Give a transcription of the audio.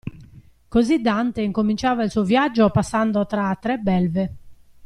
Così Dante incominciava il suo viaggio passando tra tre belve.